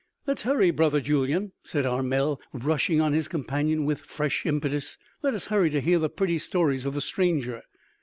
"Let's hurry, brother Julyan!" said Armel rushing on his companion with fresh impetus. "Let us hurry to hear the pretty stories of the stranger."